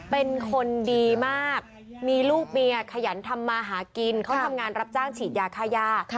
เป็นคนดีมากมีลูกเมียขยันทำมาหากินเขาทำงานรับจ้างฉีดยาค่ายา